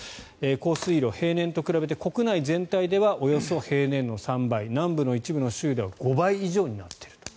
降水量、平年と比べて国内全体ではおよそ平年の３倍南部の一部の州では５倍以上になっている。